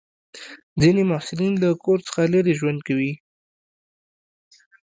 ځینې محصلین له کور څخه لرې ژوند کوي.